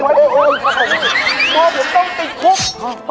ไม่มีอะไรของเราเล่าส่วนฟังครับพี่